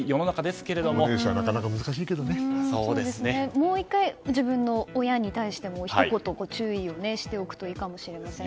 もう１回、自分の親に対してもひと言、注意をしておくといいかもしれませんね。